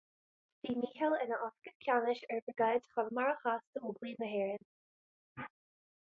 Bhí Mícheál ina oifigeach ceannais ar Bhriogáid Chonamara Theas d'Óglaigh na hÉireann.